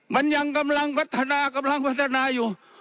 มันยังกำลังพัฒนากำลังพัฒนาอยู่